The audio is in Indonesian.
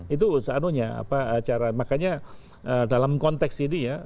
itu seandainya makanya dalam konteks ini ya